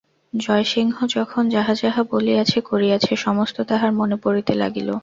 জয়সিংহ যখন যাহা যাহা বলিয়াছে করিয়াছে সমস্ত তাঁহার মনে পড়িতে লাগিল।